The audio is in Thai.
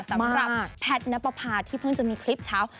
สำหรับแพทนปภาที่เพิ่งจะมีคลิปเช้า